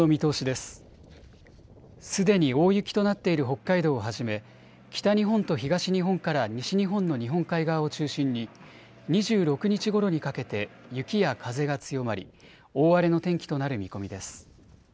すでに大雪となっている北海道をはじめ北日本と東日本から西日本の日本海側を中心に２６日ごろにかけて雪や風が強まり大荒れの天気となる見込みです。